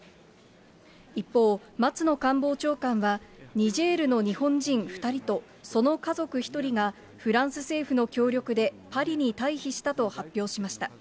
一方、松野官房長官は、ニジェールの日本人２人と、その家族１人が、フランス政府の協力でパリに退避したと発表しました。